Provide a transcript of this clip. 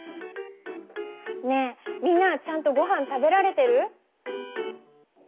ねえみんなはちゃんとごはん食べられてる？